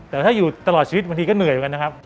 แต่ถ้าอยู่ตลอดชีวิตบางทีก็เหนื่อยเหมือนกันนะครับ